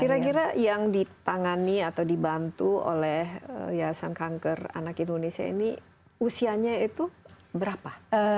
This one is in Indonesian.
kira kira yang ditangani atau dibantu oleh yayasan kanker anak indonesia ini usianya itu berapa